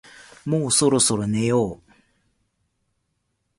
もうそろそろ寝よう